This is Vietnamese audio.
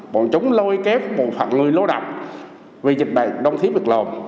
bọn chúng lôi kép một phần người lô đọc vì dịch bệnh đông thiếp được lộn